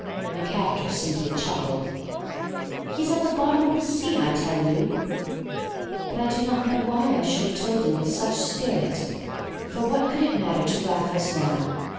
My captor simply chuckled. "He's at the bottom of the sea, I tell you!" But I do not know why I should have told him with such spirit, for what could it matter to Raffles now?